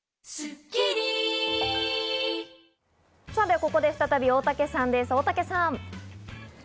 ここで再び大竹さんです。